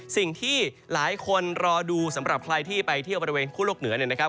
สิ่งที่หลายคนรอดูสำหรับใครที่ไปเที่ยวบริเวณคู่โลกเหนือเนี่ยนะครับ